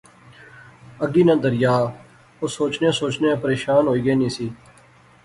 اگی ناں دریا، او سوچنیاں سوچنیاں پریشان ہوئی گینی سی